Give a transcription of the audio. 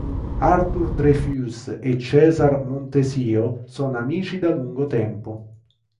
Arthur Dreyfus e Cesar Montesiho sono amici da lungo tempo.